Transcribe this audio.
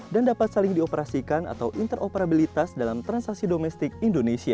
dan dapat saling dioperasikan atau interoperabilitas dalam transaksi domestik indonesia